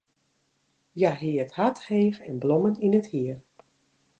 Hja hie it hart heech en blommen yn it hier.